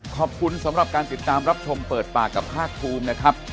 ขอบคุณสำหรับการติดตามรับชมเปิดปากกับภาคภูมินะครับ